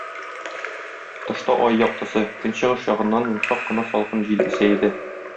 Тышта ай яктысы, көнчыгыш ягыннан йомшак кына салкын җил исә иде.